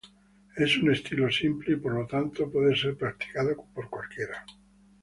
Es un estilo simple y por lo tanto puede ser practicado por cualquiera.